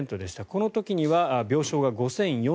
この時には病床が５０４７床。